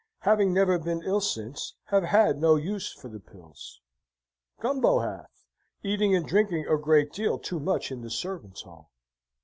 Having never been ill since, have had no use for the pills. Gumbo hath, eating and drinking a great deal too much in the Servants' Hall.